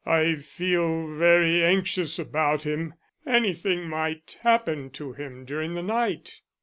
"I feel very anxious about him. Anything might happen to him during the night."